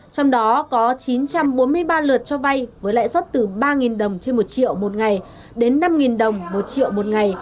trong đó có chín trăm bốn mươi ba lượt cho vay với lãi suất từ ba đồng trên một triệu một ngày đến năm đồng một triệu một ngày